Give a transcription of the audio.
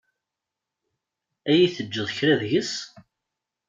Ad yi-teǧǧeḍ kra deg-s?